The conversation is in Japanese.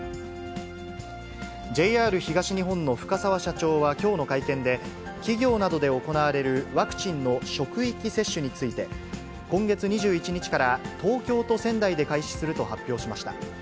ＪＲ東日本の深澤社長はきょうの会見で、企業などで行われるワクチンの職域接種について、今月２１日から東京と仙台で開始すると発表しました。